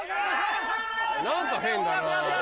何か変だな。